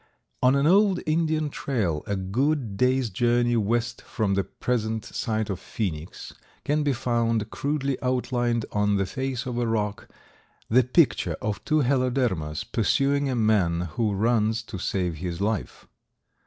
On an old Indian trail, a good day's journey west from the present site of Phoenix, can be found, crudely outlined on the face of a rock, the picture of two Helodermas pursuing a man who runs to save his life.